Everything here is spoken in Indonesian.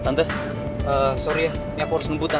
tante sorry ya ini aku harus ngebut tan